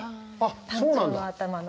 タンチョウの頭の。